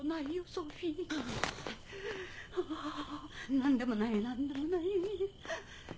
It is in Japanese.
何でもない何でもない。